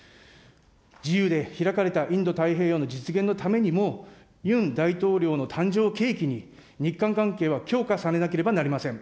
自由で開かれたインド太平洋の実現のためにも、ユン大統領の誕生を契機に、日韓関係は強化されなければなりません。